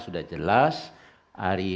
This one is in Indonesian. sudah jelas hari